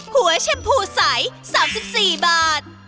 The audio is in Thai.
หัวชมพูใส๓๔บาท